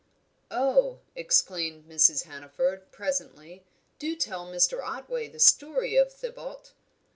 "Oh!" exclaimed Mrs. Hannaford, presently, "do tell Mr. Otway the story of Thibaut."